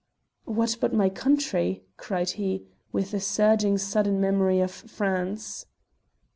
"What but my country!" cried he, with a surging sudden memory of France.